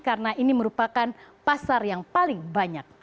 karena ini merupakan pasar yang paling banyak